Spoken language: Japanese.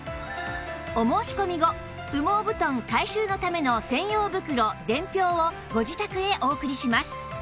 お申し込み後羽毛布団回収のための専用袋伝票をご自宅へお送りします